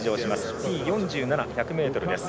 Ｔ４７、１００ｍです。